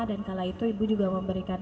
kala itu ibu juga memberikan